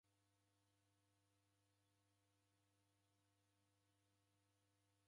Iruw'a jakala shuu ata ndekuendagha andu kungi